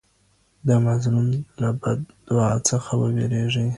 د مظلوم له بد دعا څخه وویریږئ.